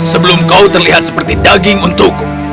sebelum kau terlihat seperti daging untukku